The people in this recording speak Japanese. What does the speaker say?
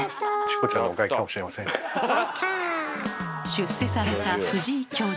出世された藤井教授。